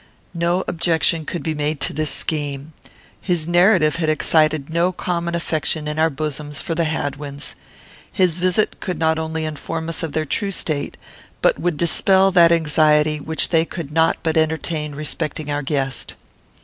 No objection could be made to this scheme. His narrative had excited no common affection in our bosoms for the Hadwins. His visit could not only inform us of their true state, but would dispel that anxiety which they could not but entertain respecting our guest.